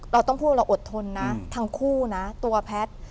เราต้องพูดว่าเราอดทนนะทั้งคู่นะตัวแพทย์